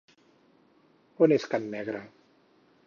On és can Negre?